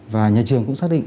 và nhà trường cũng xác định